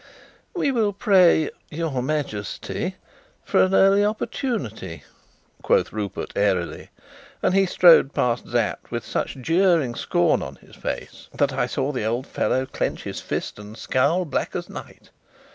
"We will pray your Majesty for an early opportunity," quoth Rupert airily; and he strode past Sapt with such jeering scorn on his face that I saw the old fellow clench his fist and scowl black as night.